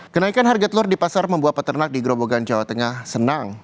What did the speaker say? kenaikan harga telur di pasar membuat peternak di grobogan jawa tengah senang